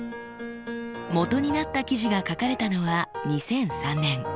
元になった記事が書かれたのは２００３年。